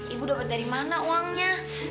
ibu dapat dari mana uangnya